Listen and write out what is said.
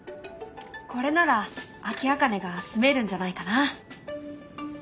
これならアキアカネがすめるんじゃないかな。